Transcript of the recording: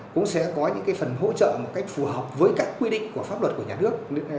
cũng sẽ có những phần hỗ trợ phù hợp với các quy định của pháp luật của nhà nước